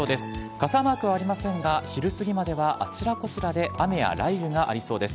傘マークはありませんが、昼過ぎまではあちらこちらで雨や雷雨がありそうです。